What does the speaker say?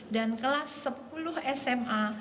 dan kelas sepuluh sma